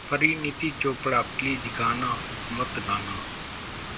Parineeti Chopra please गाना मत गाना!